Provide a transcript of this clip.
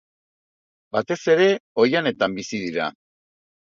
Batez ere ohianetan bizi dira.